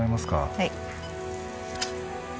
はい。